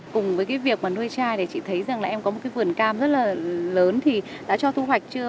cùng với cái việc mà nuôi chai thì chị thấy rằng là em có một cái vườn cam rất là lớn thì đã cho thu hoạch chưa